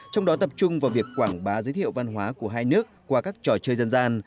trong đó tập trung vào việc quảng bá giới thiệu văn hóa của hai nước qua các trò chơi dân gian